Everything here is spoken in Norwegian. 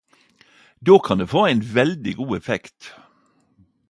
Då kan det få ein veldig god effekt.